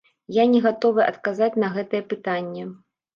Я не гатовы адказаць на гэтае пытанне.